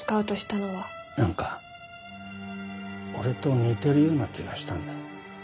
なんか俺と似てるような気がしたんだ。